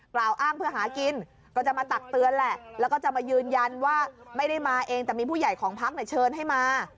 กล่าวอ้างเพื่อหากินก็จะมาตักเตือนแหละแล้วก็จะมายืนยันว่าไม่ได้มาเองแต่มีผู้ใหญ่ของพักเชิญให้มา